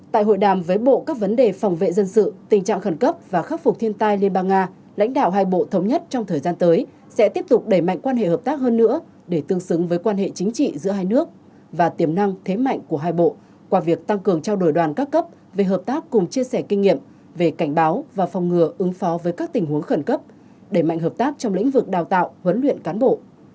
tại hội đàm với bộ các vấn đề phòng vệ dân sự tình trạng khẩn cấp và khắc phục thiên tai liên bang nga lãnh đạo hai bộ thống nhất trong thời gian tới sẽ tiếp tục đẩy mạnh quan hệ hợp tác hơn nữa để tương xứng với quan hệ chính trị giữa hai nước và tiềm năng thế mạnh của hai bộ qua việc tăng cường trao đổi đoàn các cấp về hợp tác cùng chia sẻ kinh nghiệm về cảnh báo và phòng ngừa ứng phó với các tình huống khẩn cấp đẩy mạnh hợp tác trong lĩnh vực đào tạo huấn luyện cán bộ